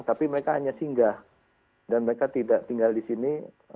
tapi mereka hanya singgah dan mereka tidak tinggal di sini